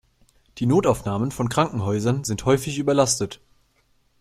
Die Notaufnahmen von Krankenhäusern sind häufig überlastet.